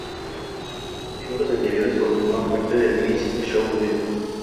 Los miembros anteriormente formaban parte de Mis Snow Man.